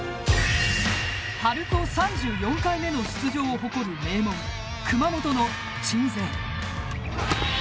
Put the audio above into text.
春高３４回目の出場を誇る名門熊本の鎮西。